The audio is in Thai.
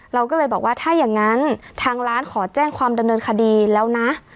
เราก็เลยบอกว่าถ้าอย่างนั้นทางร้านขอแจ้งความดำเนินคดีแล้วนะ